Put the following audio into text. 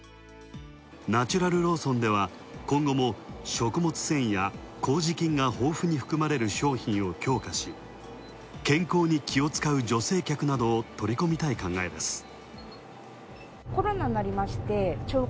ナチュラルローソンでは、今後も食物繊維や麹菌が豊富に含まれる商品を強化し健康に気を遣う女性客などを取り込みたい考えです。